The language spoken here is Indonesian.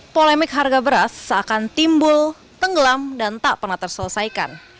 polemik harga beras seakan timbul tenggelam dan tak pernah terselesaikan